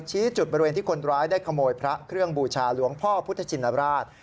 ชี้จุดบริเวณที่คนร้ายได้ขโมยพระเครื่องบูชาหลวงพ่อพุทธชินราช